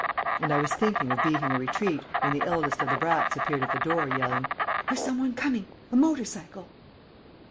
And I was thinking of beating a retreat, when the eldest of the brats appeared at the door, yelling: "There's some one coming!... A motor cycle!..."